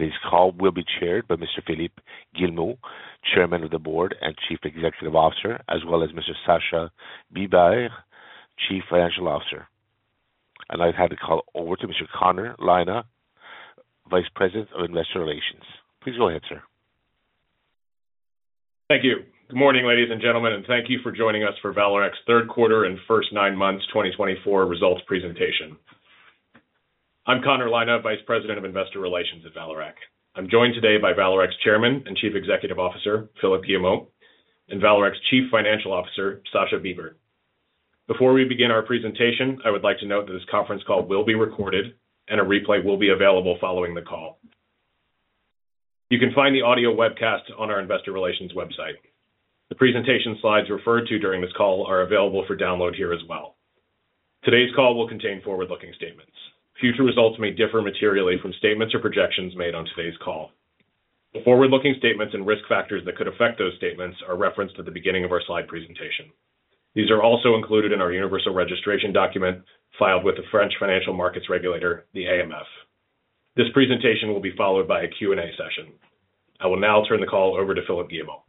Today's call will be chaired by Mr. Philippe Guillemot, Chairman of the Board and Chief Executive Officer, as well as Mr. Sascha Bibert, Chief Financial Officer. And I'll hand the call over to Mr. Connor Lynagh, Vice President of Investor Relations. Please go ahead, sir. Thank you. Good morning, ladies and gentlemen, and thank you for joining us for Vallourec's third quarter and first nine months 2024 results presentation. I'm Connor Lynagh, Vice President of Investor Relations at Vallourec. I'm joined today by Vallourec's Chairman and Chief Executive Officer, Philippe Guillemot, and Vallourec's Chief Financial Officer, Sascha Bibert. Before we begin our presentation, I would like to note that this conference call will be recorded, and a replay will be available following the call. You can find the audio webcast on our Investor Relations website. The presentation slides referred to during this call are available for download here as well. Today's call will contain forward-looking statements. Future results may differ materially from statements or projections made on today's call. The forward-looking statements and risk factors that could affect those statements are referenced at the beginning of our slide presentation. These are also included in our Universal Registration Document filed with the French financial markets regulator, the AMF. This presentation will be followed by a Q&A session. I will now turn the call over to Philippe Guillemot.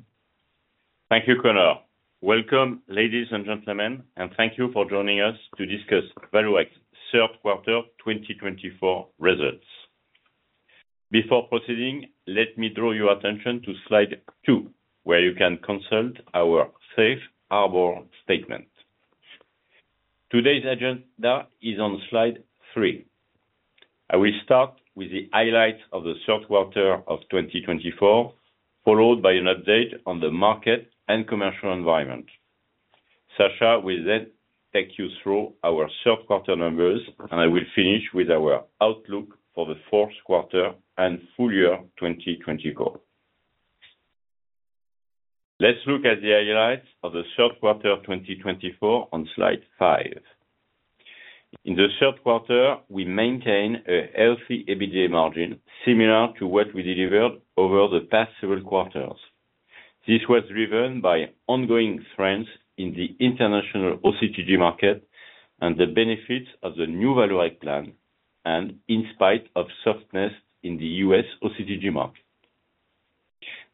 Thank you, Connor. Welcome, ladies and gentlemen, and thank you for joining us to discuss Vallourec's third quarter 2024 results. Before proceeding, let me draw your attention to Slide 2, where you can consult our Safe Harbor statement. Today's agenda is on Slide 3. I will start with the highlights of the third quarter of 2024, followed by an update on the market and commercial environment. Sascha will then take you through our third quarter numbers, and I will finish with our outlook for the fourth quarter and full year 2024. Let's look at the highlights of the third quarter 2024 on slide 5. In the third quarter, we maintain a healthy EBITDA margin, similar to what we delivered over the past several quarters. This was driven by ongoing trends in the international OCTG market and the benefits of the New Vallourec Plan, and in spite of softness in the U.S. OCTG market.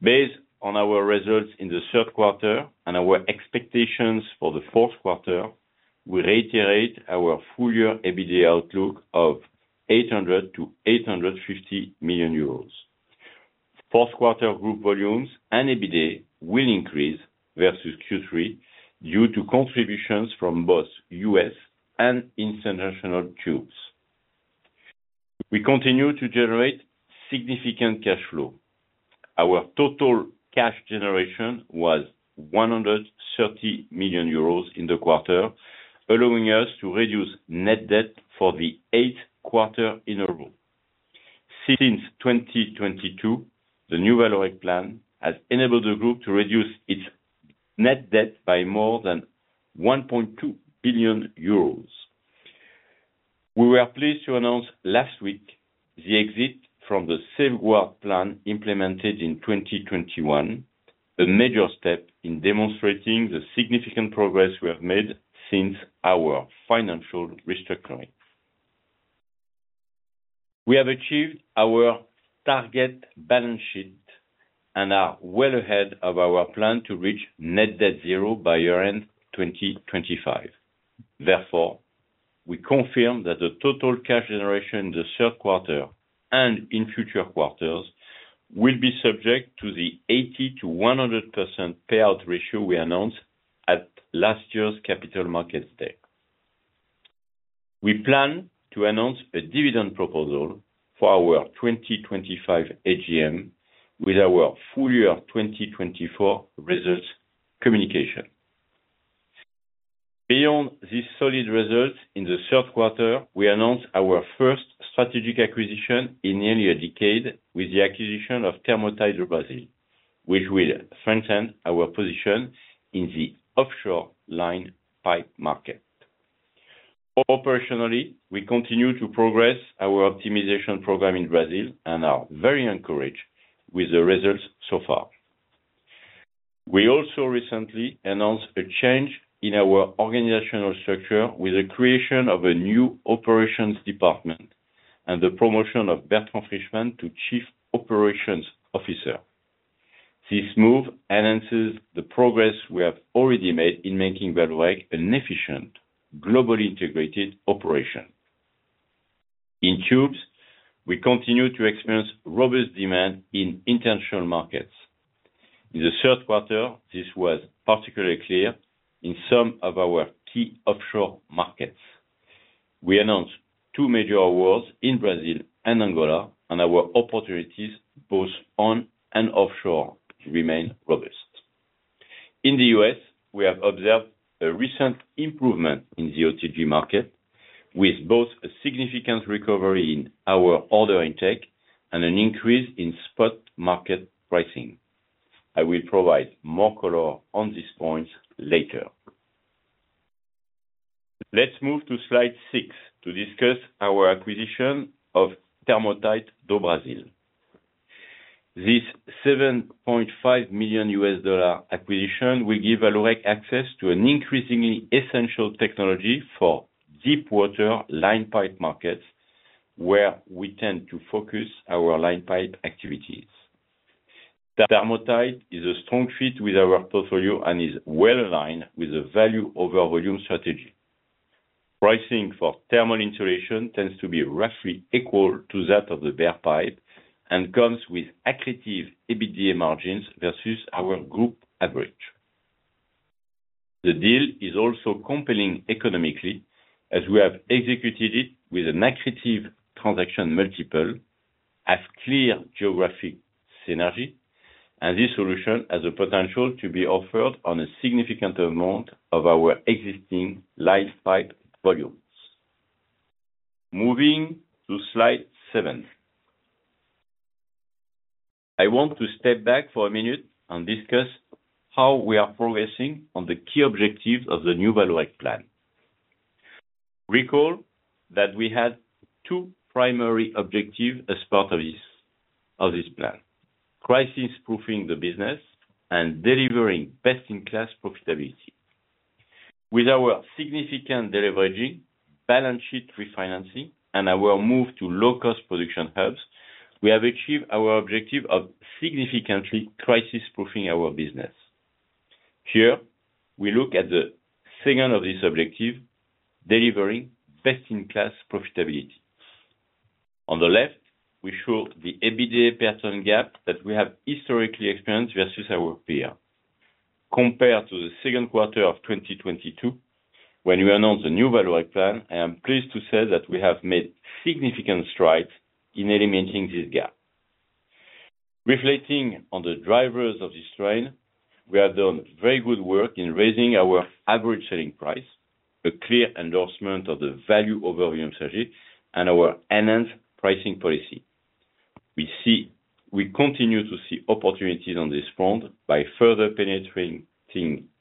Based on our results in the third quarter and our expectations for the fourth quarter, we reiterate our full year EBITDA outlook of €800 to €850 million. Fourth quarter group volumes and EBITDA will increase versus Q3 due to contributions from both U.S. and international groups. We continue to generate significant cash flow. Our total cash generation was €130 million in the quarter, allowing us to reduce net debt for the eighth quarter in a row. Since 2022, the New Vallourec Plan has enabled the group to reduce its net debt by more than €1.2 billion. We were pleased to announce last week the exit from the Safeguard plan implemented in 2021, a major step in demonstrating the significant progress we have made since our financial restructuring. We have achieved our target balance sheet and are well ahead of our plan to reach net debt zero by year-end 2025. Therefore, we confirm that the total cash generation in the third quarter and in future quarters will be subject to the 80%-100% payout ratio we announced at last year's Capital Markets Day. We plan to announce a dividend proposal for our 2025 AGM with our full year 2024 results communication. Beyond these solid results in the third quarter, we announced our first strategic acquisition in nearly a decade with the acquisition of Thermotite do Brasil, which will strengthen our position in the offshore line pipe market. Operationally, we continue to progress our optimization program in Brazil and are very encouraged with the results so far. We also recently announced a change in our organizational structure with the creation of a new operations department and the promotion of Bertrand Frischmann to Chief Operations Officer. This move enhances the progress we have already made in making Vallourec an efficient, globally integrated operation. In tubes, we continue to experience robust demand in international markets. In the third quarter, this was particularly clear in some of our key offshore markets. We announced two major awards in Brazil and Angola, and our opportunities both on and offshore remain robust. In the US, we have observed a recent improvement in the OCTG market, with both a significant recovery in our order intake and an increase in spot market pricing. I will provide more color on these points later. Let's move to slide 6 to discuss our acquisition of Thermotite do Brasil. This $7.5 million acquisition will give Vallourec access to an increasingly essential technology for deep water line pipe markets, where we tend to focus our line pipe activities. Thermotite is a strong fit with our portfolio and is well aligned with the Value over Volume strategy. Pricing for thermal insulation tends to be roughly equal to that of the bare pipe and comes with accretive EBITDA margins versus our group average. The deal is also compelling economically, as we have executed it with an accretive transaction multiple, a clear geographic synergy, and this solution has the potential to be offered on a significant amount of our existing line pipe volumes. Moving to slide 7, I want to step back for a minute and discuss how we are progressing on the key objectives of the New Vallourec Plan. Recall that we had two primary objectives as part of this plan: crisis-proofing the business and delivering best-in-class profitability. With our significant deleveraging, balance sheet refinancing, and our move to low-cost production hubs, we have achieved our objective of significantly crisis-proofing our business. Here, we look at the second of these objectives: delivering best-in-class profitability. On the left, we show the EBITDA margin gap that we have historically experienced versus our peer. Compared to the second quarter of 2022, when we announced the New Vallourec Plan, I am pleased to say that we have made significant strides in eliminating this gap. Reflecting on the drivers of this trend, we have done very good work in raising our average selling price, a clear endorsement of the Value over Volume strategy, and our enhanced pricing policy. We continue to see opportunities on this front by further penetrating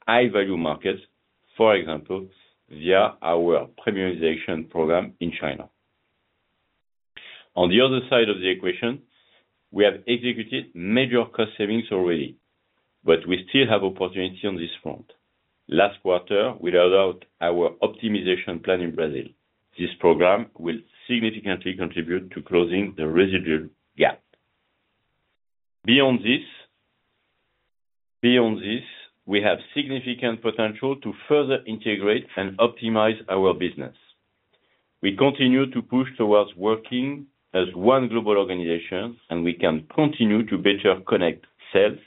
high-value markets, for example, via our premiumization program in China. On the other side of the equation, we have executed major cost savings already, but we still have opportunity on this front. Last quarter, we rolled out our optimization plan in Brazil. This program will significantly contribute to closing the residual gap. Beyond this, we have significant potential to further integrate and optimize our business. We continue to push towards working as one global organization, and we can continue to better connect sales,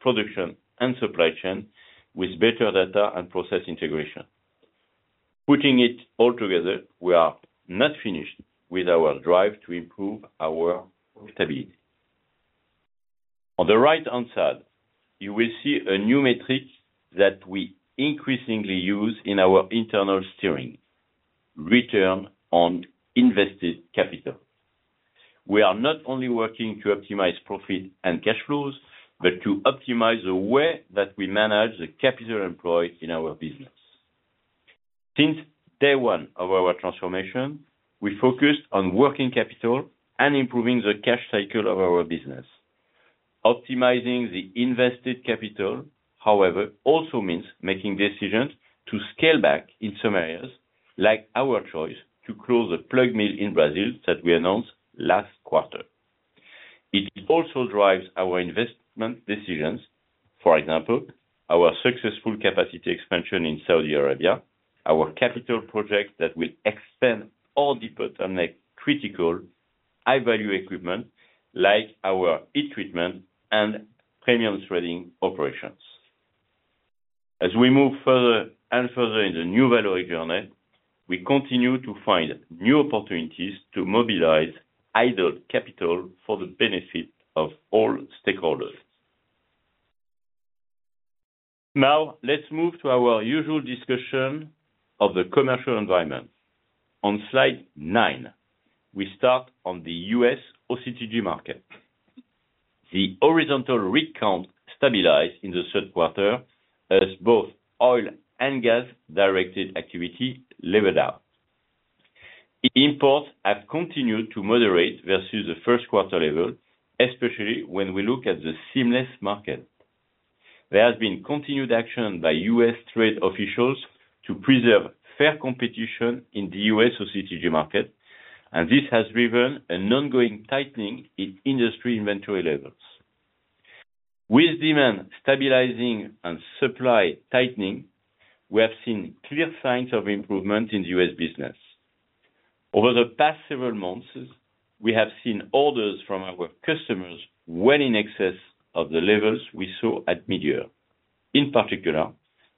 production, and supply chain with better data and process integration. Putting it all together, we are not finished with our drive to improve our profitability. On the right-hand side, you will see a new metric that we increasingly use in our internal steering: return on invested capital. We are not only working to optimize profit and cash flows, but to optimize the way that we manage the capital employed in our business. Since day one of our transformation, we focused on working capital and improving the cash cycle of our business. Optimizing the invested capital, however, also means making decisions to scale back in some areas, like our choice to close the plug mill in Brazil that we announced last quarter. It also drives our investment decisions, for example, our successful capacity expansion in Saudi Arabia, our capital project that will expand all depots and make critical high-value equipment like our heat treatment and premium threading operations. As we move further and further in the new Vallourec journey, we continue to find new opportunities to mobilize idle capital for the benefit of all stakeholders. Now, let's move to our usual discussion of the commercial environment. On slide 9, we start on the U.S. OCTG market. The horizontal rig count stabilized in the third quarter as both oil and gas-directed activity leveled out. Imports have continued to moderate versus the first quarter level, especially when we look at the seamless market. There has been continued action by U.S. trade officials to preserve fair competition in the U.S. OCTG market, and this has driven an ongoing tightening in industry inventory levels. With demand stabilizing and supply tightening, we have seen clear signs of improvement in the U.S. business. Over the past several months, we have seen orders from our customers well in excess of the levels we saw at mid-year. In particular,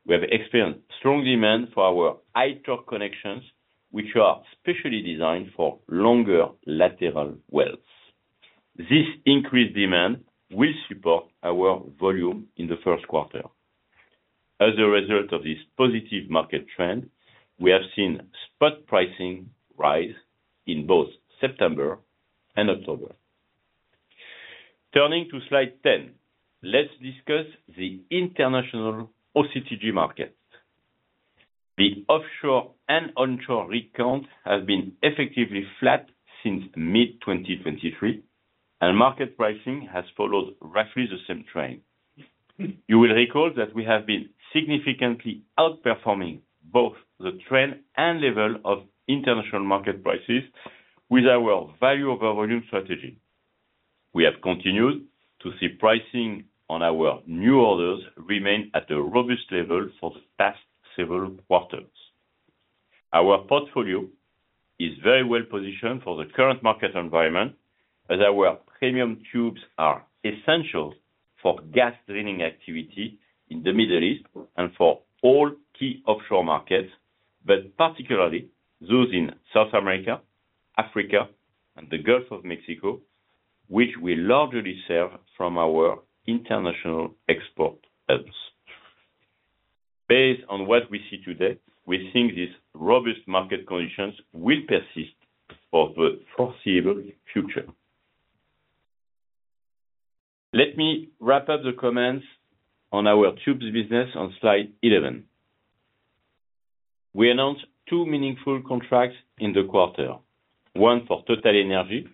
we have experienced strong demand for our high-torque connections, which are specially designed for longer laterals. This increased demand will support our volume in the first quarter. As a result of this positive market trend, we have seen spot pricing rise in both September and October. Turning to Slide 10, let's discuss the international OCTG market. The offshore and onshore rig count has been effectively flat since mid-2023, and market pricing has followed roughly the same trend. You will recall that we have been significantly outperforming both the trend and level of international market prices with our value over volume strategy. We have continued to see pricing on our new orders remain at a robust level for the past several quarters. Our portfolio is very well positioned for the current market environment, as our premium tubes are essential for gas drilling activity in the Middle East and for all key offshore markets, but particularly those in South America, Africa, and the Gulf of Mexico, which we largely serve from our international export hubs. Based on what we see today, we think these robust market conditions will persist for the foreseeable future. Let me wrap up the comments on our tubes business on Slide 11. We announced two meaningful contracts in the quarter: one for TotalEnergies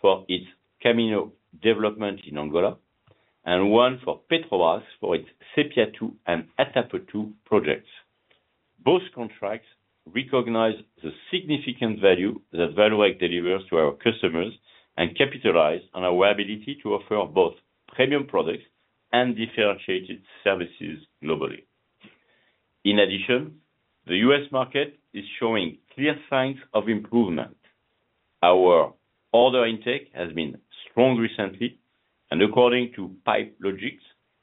for its Kaminho development in Angola, and one for Petrobras for its Sépia II and Atapu II projects. Both contracts recognize the significant value that Vallourec delivers to our customers and capitalize on our ability to offer both premium products and differentiated services globally. In addition, the U.S. market is showing clear signs of improvement. Our order intake has been strong recently, and according to Pipe Logix,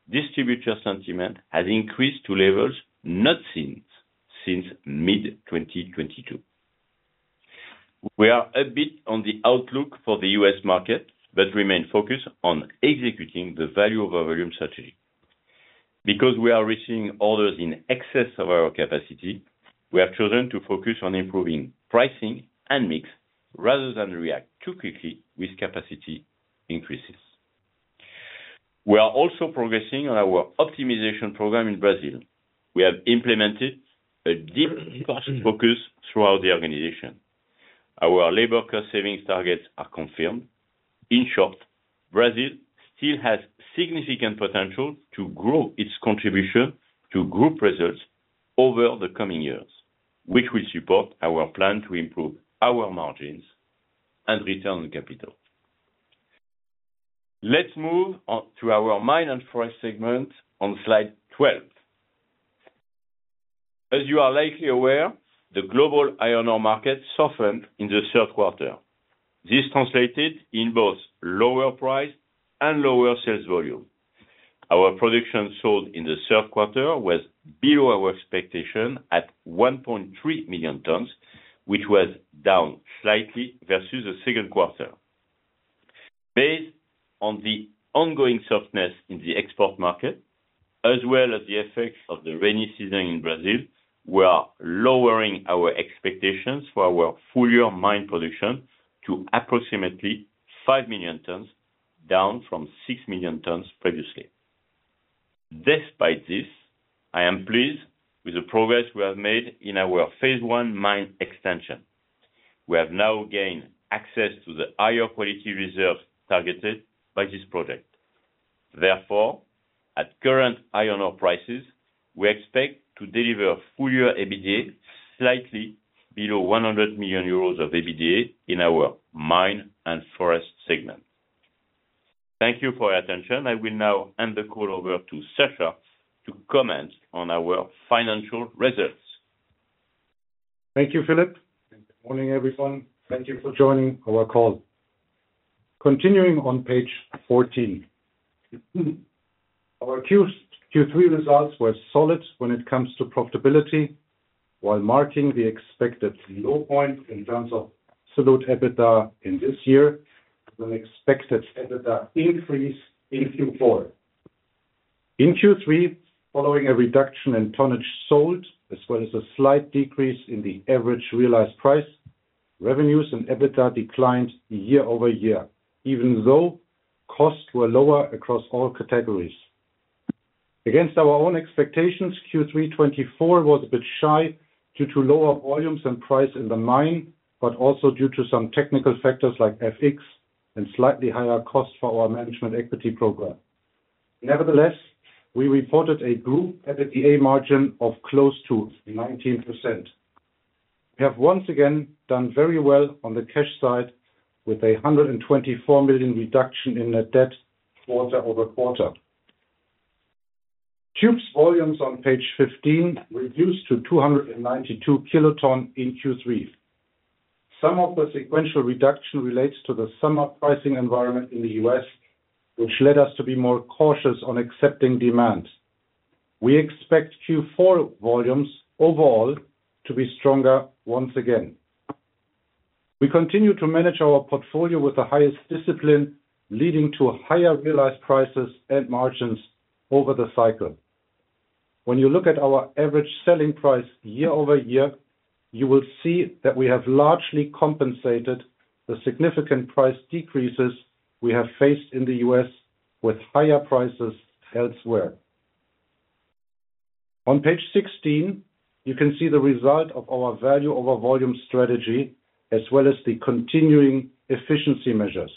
distributor sentiment has increased to levels not seen since mid-2022. We are upbeat on the outlook for the U.S. market, but remain focused on executing the value over volume strategy. Because we are receiving orders in excess of our capacity, we have chosen to focus on improving pricing and mix rather than react too quickly with capacity increases. We are also progressing on our optimization program in Brazil. We have implemented a deep focus throughout the organization. Our labor cost savings targets are confirmed. In short, Brazil still has significant potential to grow its contribution to group results over the coming years, which will support our plan to improve our margins and return on capital. Let's move to our mine and forest segment on Slide 12. As you are likely aware, the global iron ore market softened in the third quarter. This translated in both lower price and lower sales volume. Our production sold in the third quarter was below our expectation at 1.3 million tons, which was down slightly versus the second quarter. Based on the ongoing softness in the export market, as well as the effects of the rainy season in Brazil, we are lowering our expectations for our full-year mine production to approximately five million tons, down from six million tons previously. Despite this, I am pleased with the progress we have made in our phase one mine extension. We have now gained access to the higher quality reserves targeted by this project. Therefore, at current iron ore prices, we expect to deliver full-year EBITDA slightly below €100 million of EBITDA in our mining and forestry segment. Thank you for your attention. I will now hand the call over to Sascha to comment on our financial results. Thank you, Philippe. Good morning, everyone. Thank you for joining our call. Continuing on Page 14, our Q3 results were solid when it comes to profitability, while marking the expected low point in terms of absolute EBITDA in this year with an expected EBITDA increase in Q4. In Q3, following a reduction in tonnage sold, as well as a slight decrease in the average realized price, revenues and EBITDA declined year-over-year, even though costs were lower across all categories. Against our own expectations, Q3 24 was a bit shy due to lower volumes and price in the mine, but also due to some technical factors like FX and slightly higher costs for our management equity program. Nevertheless, we reported a group EBITDA margin of close to 19%. We have once again done very well on the cash side, with a 124 million reduction in net debt quarter over quarter. Tubes volumes on page 15 reduced to 292 kilotons in Q3. Some of the sequential reduction relates to the summer pricing environment in the U.S., which led us to be more cautious on accepting demand. We expect Q4 volumes overall to be stronger once again. We continue to manage our portfolio with the highest discipline, leading to higher realized prices and margins over the cycle. When you look at our average selling price year-over-year, you will see that we have largely compensated the significant price decreases we have faced in the U.S. with higher prices elsewhere. On Page 16, you can see the result of our value over volume strategy, as well as the continuing efficiency measures.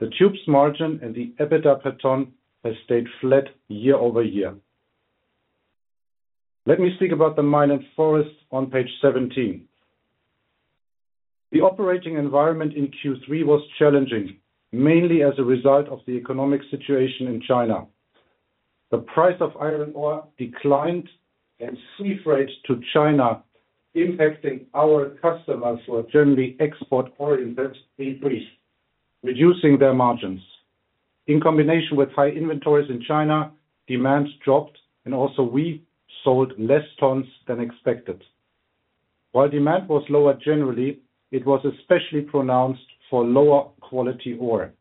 The tubes margin and the EBITDA per ton have stayed flat year-over-year. Let me speak about the Mining and Forging on page 17. The operating environment in Q3 was challenging, mainly as a result of the economic situation in China. The price of iron ore declined, and sea freight to China, impacting our customers who are generally export-oriented, increased, reducing their margins. In combination with high inventories in China, demand dropped, and also we sold less tons than expected. While demand was lower generally, it was especially pronounced for lower quality ore.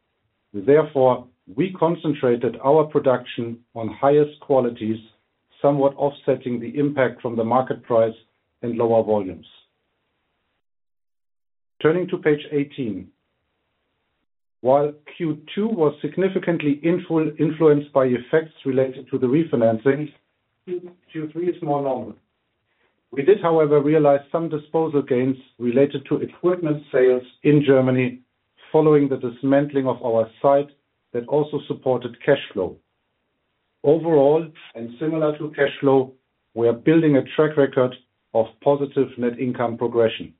Therefore, we concentrated our production on highest qualities, somewhat offsetting the impact from the market price and lower volumes. Turning to page 18, while Q2 was significantly influenced by effects related to the refinancing, Q3 is more normal. We did, however, realize some disposal gains related to equipment sales in Germany following the dismantling of our site that also supported cash flow. Overall, and similar to cash flow, we are building a track record of positive net income progression.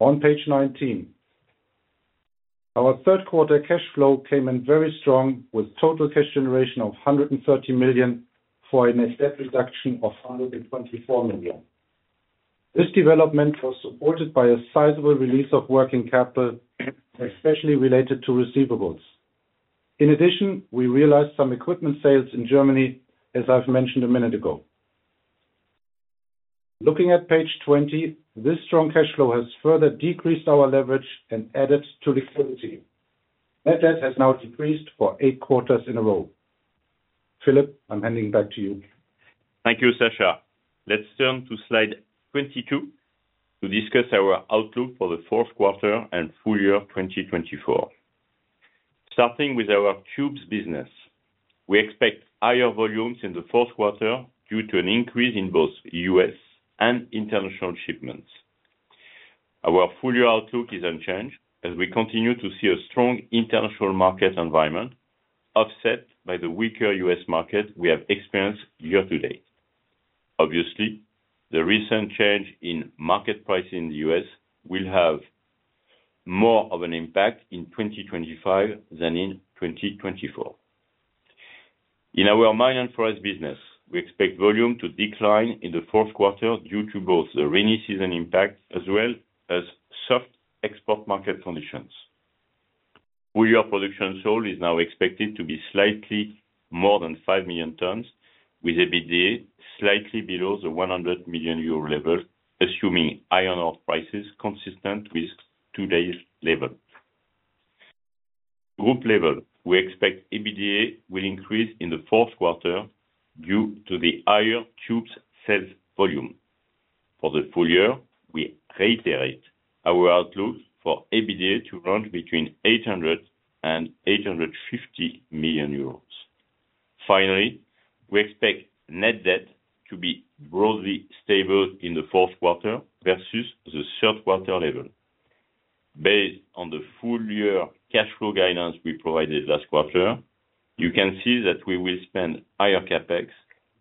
On page 19, our third quarter cash flow came in very strong with total cash generation of 130 million for a net debt reduction of 124 million. This development was supported by a sizable release of working capital, especially related to receivables. In addition, we realized some equipment sales in Germany, as I've mentioned a minute ago. Looking at page 20, this strong cash flow has further decreased our leverage and added to liquidity. Net debt has now decreased for eight quarters in a row. Philippe, I'm handing back to you. Thank you, Sascha. Let's turn to Slide 22 to discuss our outlook for the fourth quarter and full year 2024. Starting with our tubes business, we expect higher volumes in the fourth quarter due to an increase in both U.S. and international shipments. Our full year outlook is unchanged as we continue to see a strong international market environment offset by the weaker U.S. market we have experienced year to date. Obviously, the recent change in market pricing in the U.S. will have more of an impact in 2025 than in 2024. In our mine and forest business, we expect volume to decline in the fourth quarter due to both the rainy season impact as well as soft export market conditions. Full-year production sold is now expected to be slightly more than five million tons with EBITDA slightly below the 100 million euro level, assuming iron ore prices consistent with today's level. Group level, we expect EBITDA will increase in the fourth quarter due to the higher tubes sales volume. For the full year, we reiterate our outlook for EBITDA to run between 800 million euros and 850 million euros. Finally, we expect net debt to be broadly stable in the fourth quarter versus the third quarter level. Based on the full year cash flow guidance we provided last quarter, you can see that we will spend higher CapEx,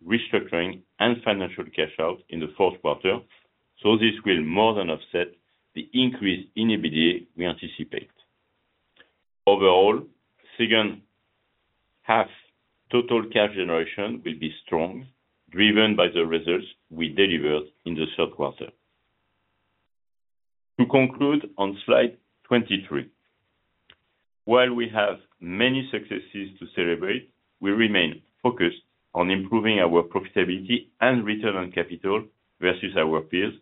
restructuring, and financial cash out in the fourth quarter, so this will more than offset the increase in EBITDA we anticipate. Overall, second half total cash generation will be strong, driven by the results we delivered in the third quarter. To conclude on Slide 23, while we have many successes to celebrate, we remain focused on improving our profitability and return on capital versus our peers,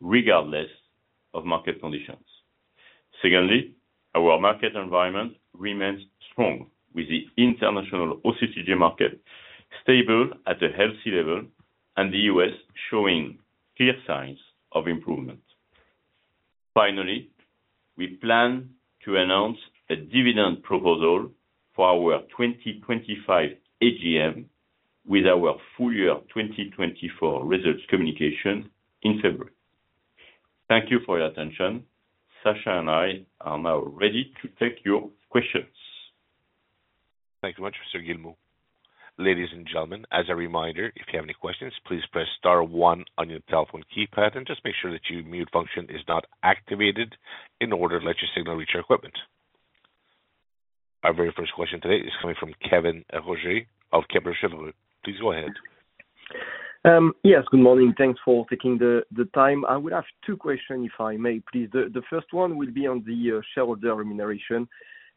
regardless of market conditions. Secondly, our market environment remains strong with the international OCTG market stable at a healthy level and the U.S. showing clear signs of improvement. Finally, we plan to announce a dividend proposal for our 2025 AGM with our full year 2024 results communication in February. Thank you for your attention. Sascha and I are now ready to take your questions. Thank you very much, Mr. Guillemot. Ladies and gentlemen, as a reminder, if you have any questions, please press star one on your telephone keypad and just make sure that your mute function is not activated in order to let your signal reach your equipment. Our very first question today is coming from Kevin Rogers of Kepler Cheuvreux. Please go ahead. Yes, good morning. Thanks for taking the time. I would have two questions, if I may, please. The first one will be on the shareholder remuneration.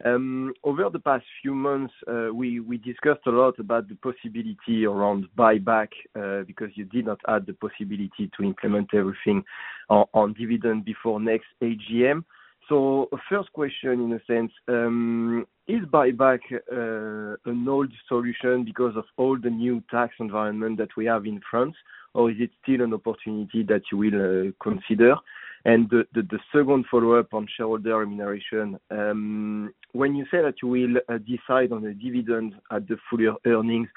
Over the past few months, we discussed a lot about the possibility around buyback because you did not add the possibility to implement everything on dividend before next AGM. So first question, in a sense, is buyback an old solution because of all the new tax environment that we have in France, or is it still an opportunity that you will consider? And the second follow-up on shareholder remuneration, when you say that you will decide on a dividend at the full year earnings,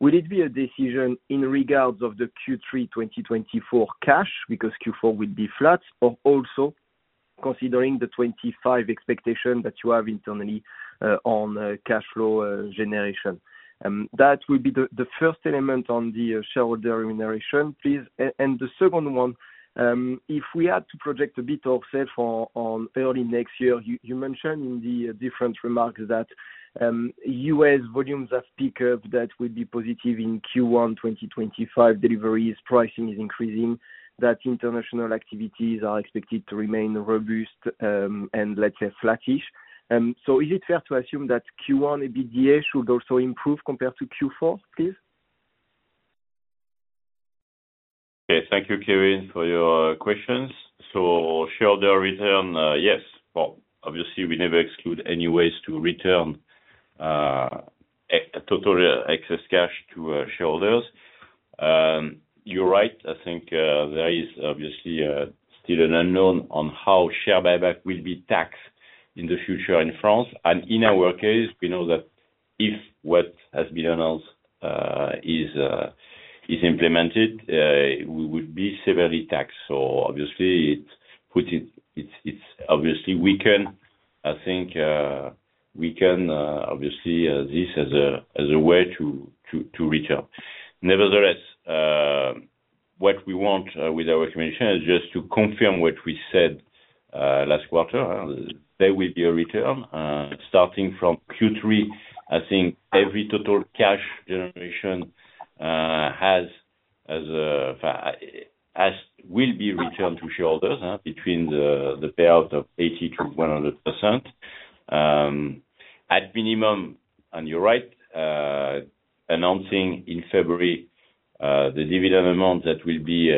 will it be a decision in regards of the Q3 2024 cash because Q4 will be flat, or also considering the 25 expectation that you have internally on cash flow generation? That will be the first element on the shareholder remuneration, please. And the second one, if we had to project a bit ourselves on early next year, you mentioned in the different remarks that US volumes have picked up, that would be positive in Q1 2025 deliveries, pricing is increasing, that international activities are expected to remain robust and, let's say, flattish. So is it fair to assume that Q1 EBITDA should also improve compared to Q4, please? Okay, thank you, Kevin, for your questions. So shareholder return, yes. Obviously, we never exclude any ways to return total excess cash to shareholders. You're right. I think there is obviously still an unknown on how share buyback will be taxed in the future in France. And in our case, we know that if what has been announced is implemented, we would be severely taxed. So obviously, it's obviously weaken. I think we can obviously use this as a way to return. Nevertheless, what we want with our recommendation is just to confirm what we said last quarter. There will be a return starting from Q3. I think every total cash generation will be returned to shareholders between the payout of 80%-100%. At minimum, and you're right, announcing in February the dividend amount that will be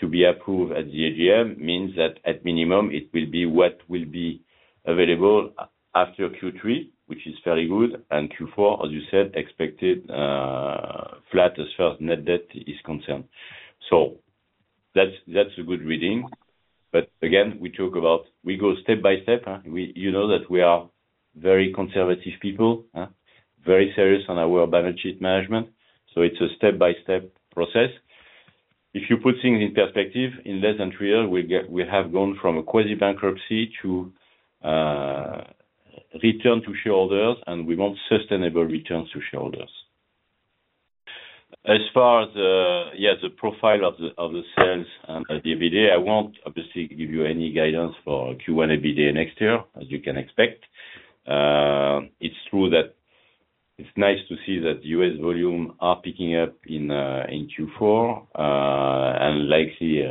to be approved at the AGM means that at minimum, it will be what will be available after Q3, which is fairly good, and Q4, as you said, expected flat as far as net debt is concerned, so that's a good reading, but again, we talk about we go step by step. You know that we are very conservative people, very serious on our balance sheet management, so it's a step-by-step process. If you put things in perspective, in less than three years, we have gone from a quasi-bankruptcy to return to shareholders, and we want sustainable returns to shareholders. As far as the profile of the sales and the EBITDA, I won't obviously give you any guidance for Q1 EBITDA next year, as you can expect. It's true that it's nice to see that U.S. volume are picking up in Q4 and likely,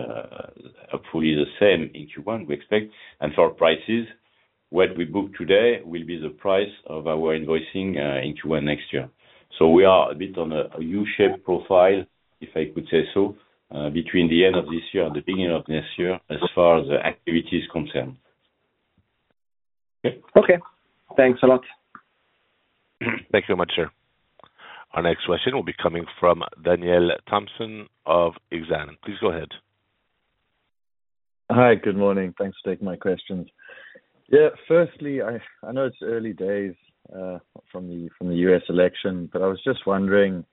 hopefully, the same in Q1, we expect. And for prices, what we book today will be the price of our invoicing in Q1 next year. So we are upbeat on a U-shaped profile, if I could say so, between the end of this year and the beginning of next year as far as the activity is concerned. Okay. Okay. Thanks a lot. Thanks very much, sir. Our next question will be coming from Daniel Thomson of Exane. Please go ahead. Hi, good morning. Thanks for taking my questions. Yeah, firstly, I know it's early days from the U.S. election, but I was just wondering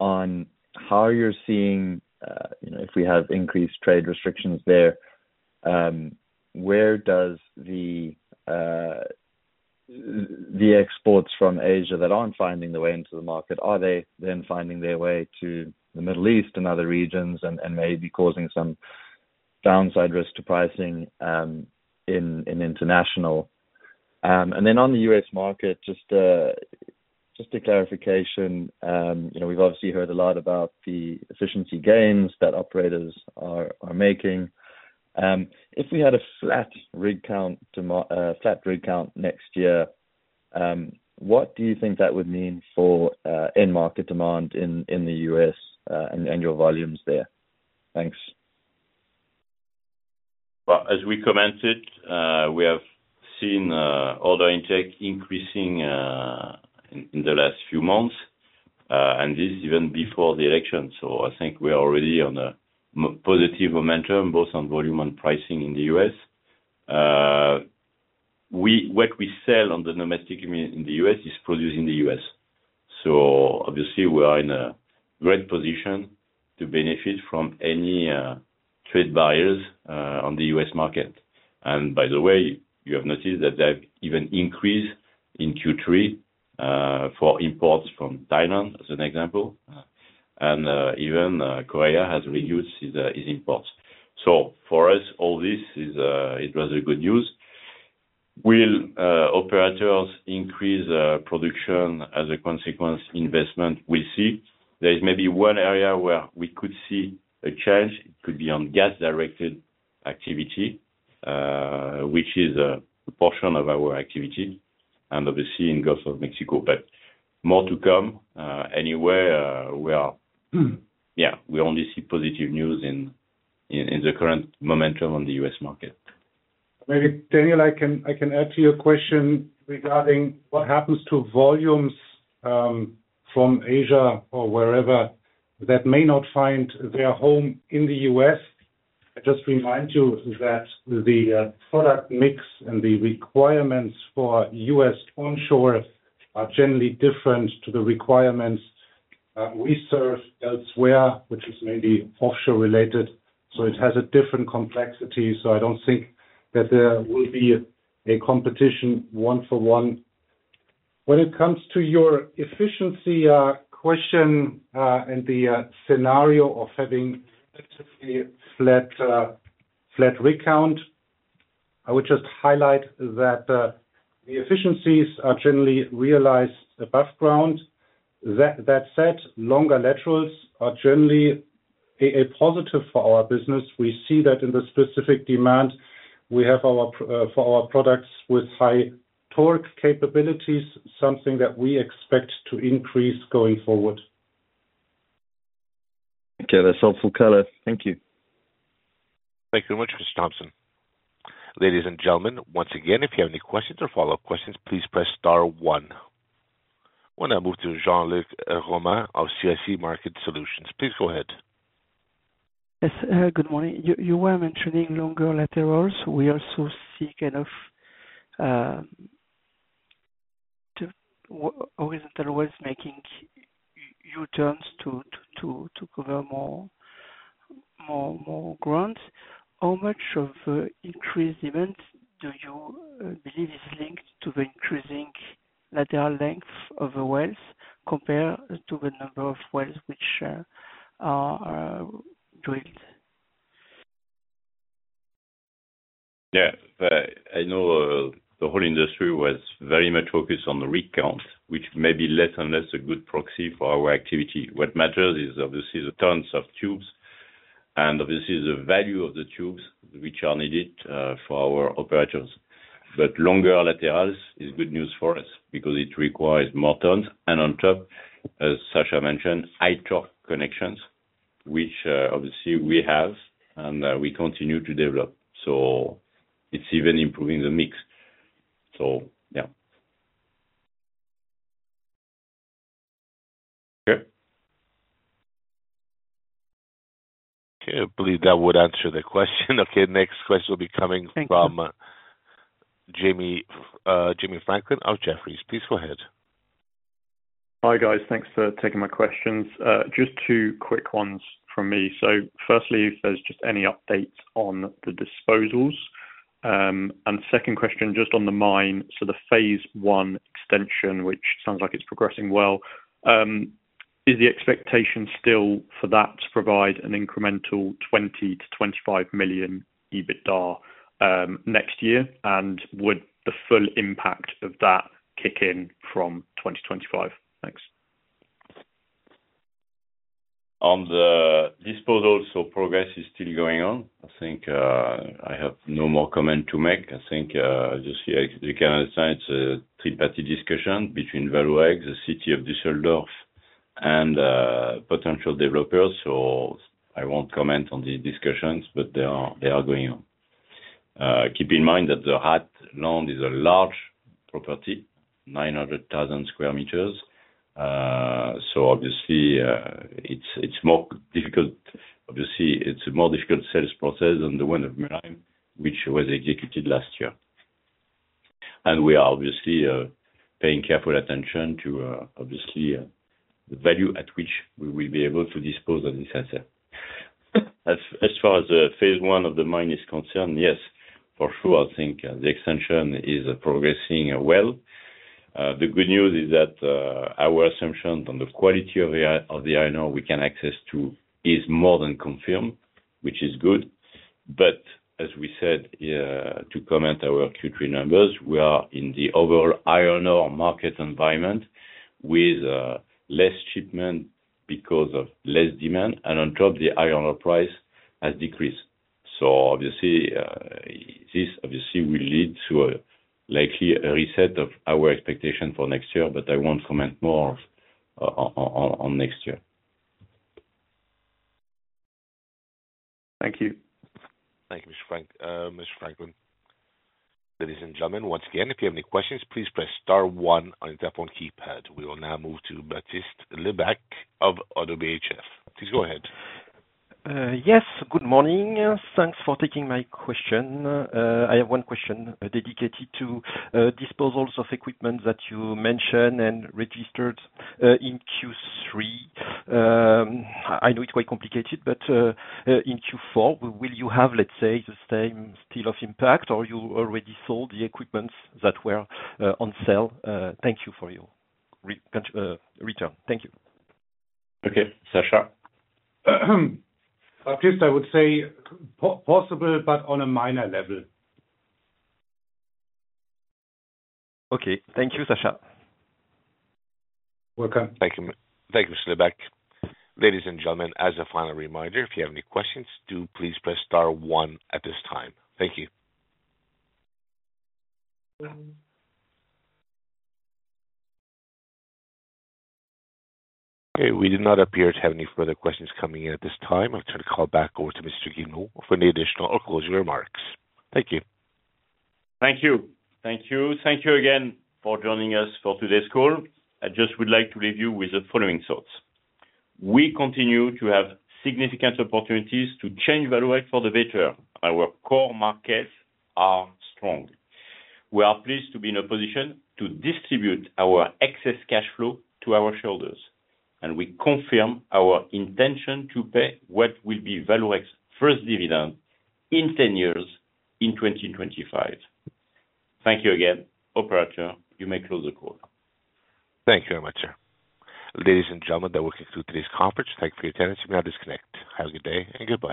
on how you're seeing if we have increased trade restrictions there, where does the exports from Asia that aren't finding their way into the market, are they then finding their way to the Middle East and other regions and maybe causing some downside risk to pricing in international? And then on the U.S. market, just a clarification, we've obviously heard a lot about the efficiency gains that operators are making. If we had a flat rig count next year, what do you think that would mean for in-market demand in the U.S. and your volumes there? Thanks. Well, as we commented, we have seen order intake increasing in the last few months, and this is even before the election. So I think we're already on a positive momentum both on volume and pricing in the U.S. What we sell on the domestic in the U.S. is produced in the U.S. So obviously, we are in a great position to benefit from any trade barriers on the U.S. market. And by the way, you have noticed that there's even an increase in Q3 for imports from Thailand, as an example. And even Korea has reduced its imports. So for us, all this is rather good news. Will operators increase production as a consequence? We'll see. There is maybe one area where we could see a change. It could be on gas-directed activity, which is a portion of our activity, and obviously in Gulf of Mexico. But more to come. Anyway, yeah, we only see positive news in the current momentum on the U.S. market. Maybe Daniel, I can add to your question regarding what happens to volumes from Asia or wherever that may not find their home in the U.S. I just remind you that the product mix and the requirements for U.S. onshore are generally different to the requirements we serve elsewhere, which is mainly offshore related. So it has a different complexity. So I don't think that there will be a competition one-for-one. When it comes to your efficiency question and the scenario of having a relatively flat rig count, I would just highlight that the efficiencies are generally realized above ground. That said, longer laterals are generally a positive for our business. We see that in the specific demand we have for our products with high-torque capabilities, something that we expect to increase going forward. Okay, that's helpful, Carl. Thank you. Thank you very much, Mr. Thomson. Ladies and gentlemen, once again, if you have any questions or follow-up questions, please press star one. I want to move to Jean-Luc Romain of CIC Market Solutions. Please go ahead. Yes, good morning. You were mentioning longer laterals. We also see kind of horizontal waves making U-turns to cover more ground. How much of the increased demand do you believe is linked to the increasing lateral length of the wells compared to the number of wells which are drilled? Yeah, I know the whole industry was very much focused on the rig count, which may be less and less a good proxy for our activity. What matters is, obviously, the tons of tubes, and obviously, the value of the tubes which are needed for our operators. But longer laterals is good news for us because it requires more tons. And on top, as Sascha mentioned, high-torque connections, which obviously we have and we continue to develop. So it's even improving the mix. So yeah. Okay. Okay, I believe that would answer the question. Okay, next question will be coming from Jamie Franklin., Jefferies, please go ahead. Hi guys, thanks for taking my questions. Just two quick ones from me. So firstly, if there's just any updates on the disposals. And second question, just on the mine, so the phase one extension, which sounds like it's progressing well, is the expectation still for that to provide an incremental 20-25 million EBITDA next year? And would the full impact of that kick in from 2025? Thanks. On the disposals, so progress is still going on. I think I have no more comment to make. I think you can understand it's a three-party discussion between Vallourec, the city of Düsseldorf, and potential developers. So I won't comment on the discussions, but they are going on. Keep in mind that the Rath is a large property, 900,000 square meters. So obviously, it's more difficult. Obviously, it's a more difficult sales process than the one of Mülheim, which was executed last year. And we are obviously paying careful attention to, obviously, the value at which we will be able to dispose of this asset. As far as phase one of the mine is concerned, yes, for sure, I think the extension is progressing well. The good news is that our assumption on the quality of the iron ore we can access to is more than confirmed, which is good. But as we said, to comment on our Q3 numbers, we are in the overall iron ore market environment with less shipment because of less demand. And on top, the iron ore price has decreased. So obviously, this obviously will lead to likely a reset of our expectation for next year, but I won't comment more on next year. Thank you. Thank you, Mr. Franklin. Ladies and gentlemen, once again, if you have any questions, please press star one on the interphone keypad. We will now move to Baptiste Lebacq of Oddo BHF. Please go ahead. Yes, good morning. Thanks for taking my question. I have one question dedicated to disposals of equipment that you mentioned and registered in Q3. I know it's quite complicated, but in Q4, will you have, let's say, the same state of impact, or you already sold the equipment that was on sale? Thank you for your return. Thank you. Okay, Sascha. At least I would say possible, but on a minor level. Okay, thank you, Sascha. Welcome. Thank you, Mr. Lebacq. Ladies and gentlemen, as a final reminder, if you have any questions, do please press star one at this time. Thank you. Okay, we do not appear to have any further questions coming in at this time. I'll turn the call back over to Mr. Guillemot for any additional or closing remarks. Thank you. Thank you. Thank you. Thank you again for joining us for today's call. I just would like to leave you with the following thoughts. We continue to have significant opportunities to change Vallourec for the better. Our core markets are strong. We are pleased to be in a position to distribute our excess cash flow to our shareholders. We confirm our intention to pay what will be Vallourec's first dividend in 10 years in 2025. Thank you again, operator. You may close the call. Thank you very much, sir. Ladies and gentlemen, that will conclude today's conference. Thank you for your attendance. You may now disconnect. Have a good day and goodbye.